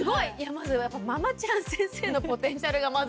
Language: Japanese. まずはやっぱ「ママちゃん先生」のポテンシャルがまずすごかったですね。